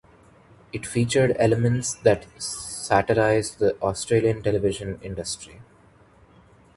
It featured elements that satirised the Australian television industry.